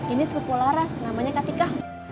ini sebuah pulau ras namanya katika